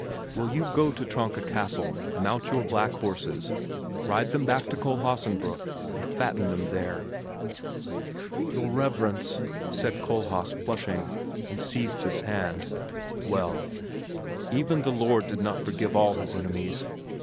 Will you go to Tronka Castle, mount your black horses, ride them back to Kohlhaasenbrück and fatten them there?" "Your Reverence!" said Kohlhaas flushing, and seized his hand "Well?" "Even the Lord did not forgive all his enemies.